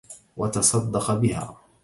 وَتَصَدَّقَ بِهَا